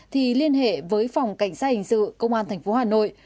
thì liên hệ với phòng cảnh sát hình sự công an tp hà nội